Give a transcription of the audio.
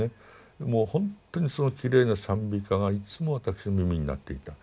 もうほんとにそのきれいな賛美歌がいつも私の耳に鳴っていた。